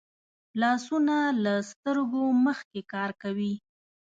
لاسونه له سترګو مخکې کار کوي